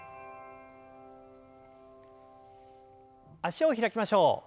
脚を開きましょう。